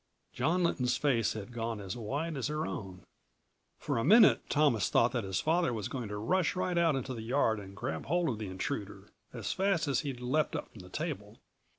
John Lynton's face had gone as white as her own. For a minute Thomas thought that his father was going to rush right out into the yard and grab hold of the intruder, as fast as he'd leapt up from the table.